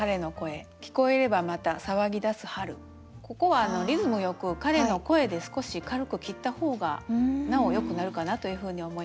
ここはリズムよく「彼の声」で少し軽く切った方がなおよくなるかなというふうに思います。